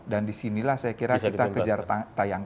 dan di sinilah saya kira kita kejar tayang